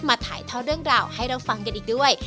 ถ่ายทอดเรื่องราวให้เราฟังกันอีกด้วย